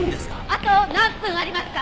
あと何分ありますか！？